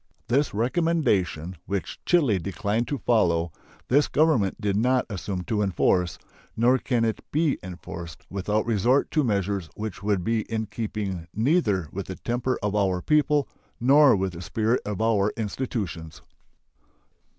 This recommendation, which Chile declined to follow, this Government did not assume to enforce; nor can it be enforced without resort to measures which would be in keeping neither with the temper of our people nor with the spirit of our institutions.